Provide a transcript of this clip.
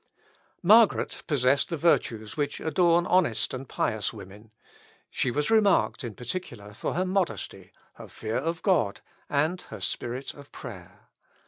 Margaret possessed the virtues which adorn honest and pious women. She was remarked, in particular, for her modesty, her fear of God, and her spirit of prayer.